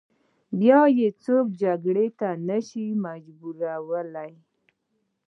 بیا یې څوک جګړې ته نه شي مجبورولای.